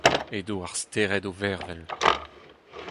Edo ar stered o vervel.